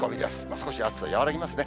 少し暑さ和らぎますね。